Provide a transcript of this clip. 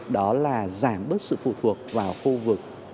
đó là giảm bớt sự phụ thuộc vào khu vực